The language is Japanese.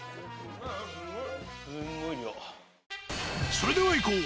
それではいこう！